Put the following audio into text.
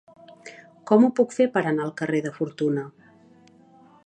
Com ho puc fer per anar al carrer de Fortuna?